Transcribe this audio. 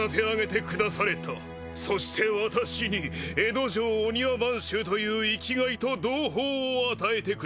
そして私に江戸城御庭番衆という生きがいと同胞を与えてくだされた。